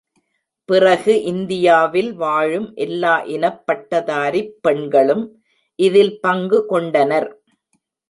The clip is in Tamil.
பிறகு இந்தியாவில் வாழும் எல்லா இனப்பட்டதாரிப் பெண்களும் இதில் பங்கு கொண்டனர்.